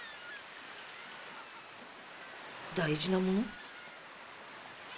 大事なもの？